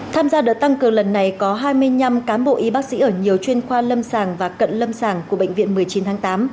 tham gia đợt tăng cường lần này có hai mươi năm cán bộ y bác sĩ ở nhiều chuyên khoa lâm sàng và cận lâm sàng của bệnh viện một mươi chín tháng tám